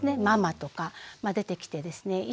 「ママ」とか出てきてですね